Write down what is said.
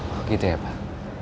oh gitu ya pak